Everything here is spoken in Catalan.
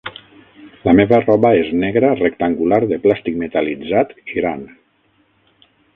La meva roba és negra, rectangular, de plàstic metal·litzat i gran.